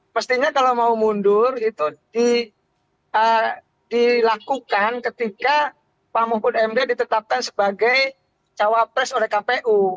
mestinya kalau mau mundur itu dilakukan ketika pak mahfud md ditetapkan sebagai cawapres oleh kpu